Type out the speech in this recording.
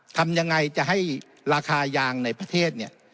ทำยังไงจะให้ราคายางในประเทศเนี่ย